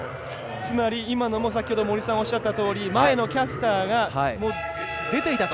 つまり今のも、先ほど森さんのおっしゃったとおり前のキャスターが出ていたと。